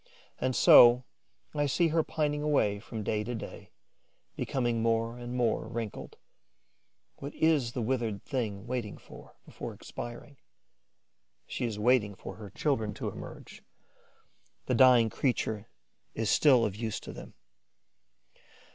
And so I see her pining away from day to day, becoming more and more wrinkled. What is the withered thing waiting for, before expiring? She is waiting for her children to emerge; the dying creature is still of use to them.